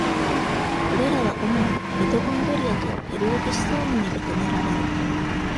これらは主にミトコンドリアとペルオキシソームに認められる。